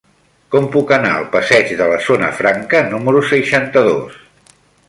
Com puc anar al passeig de la Zona Franca número seixanta-dos?